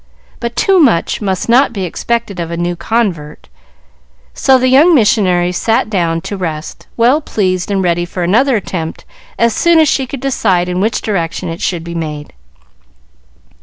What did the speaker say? But too much must not be expected of a new convert, so the young missionary sat down to rest, well pleased and ready for another attempt as soon as she could decide in what direction it should be made.